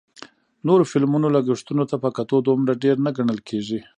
نورو فلمونو لګښتونو ته په کتو دومره ډېر نه ګڼل کېږي